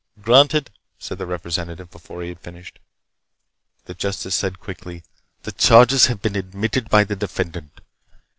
"Granted," said the Representative before he had finished. The justice said quickly: "The charges have been admitted by the defendant.